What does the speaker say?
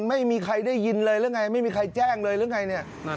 ไม่มีใครได้ยินเลยหรืออย่างไรไม่มีใครแจ้งเลยหรืออย่างไรนี่